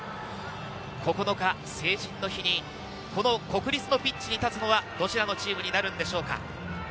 ９日、成人の日にこの国立のピッチに立つのはどちらのチームになるんでしょうか。